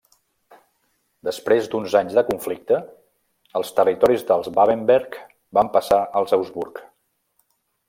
Després d'uns anys de conflicte els territoris dels Babenberg van passar als Habsburg.